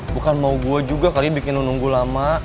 bukan mau gue juga kali ini bikin lo nunggu lama